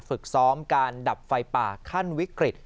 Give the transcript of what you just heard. ฝึกซ้อมการดับไฟป่าขั้นวิกฤต